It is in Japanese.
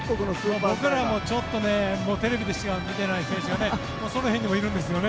僕らもちょっとテレビでしか見てない選手がその辺にもいるんですよね。